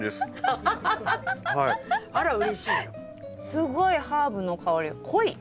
すごいハーブの香りが濃い！